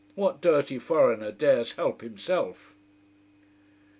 What dirty foreigner dares help himself!